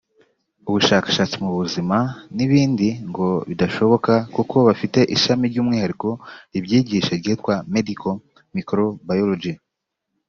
ubushakashatsi mu buzima n’ibindi ngo bidashoboka kuko bafite ishami ry’umwihariko ribyigisha ryitwa Medical Microbiology